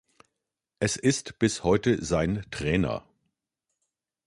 Es ist bis heute sein Trainer.